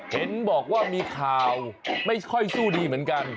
เห็นบอกว่ามีข่าวไม่ค่อยสู้ดีเหมือนกัน